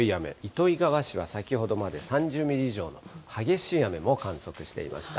糸魚川市は先ほどまで３０ミリ以上の激しい雨も観測していました。